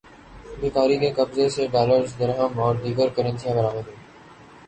بھکاری کے قبضے سے ڈالرز، درہم اور دیگر کرنسیاں برآمد ہوئیں